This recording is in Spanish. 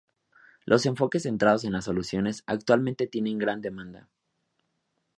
Los enfoques centrados en las soluciones actualmente tienen gran demanda.